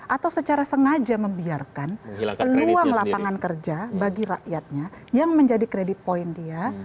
atau secara sengaja membiarkan peluang lapangan kerja bagi rakyatnya yang menjadi credit point dia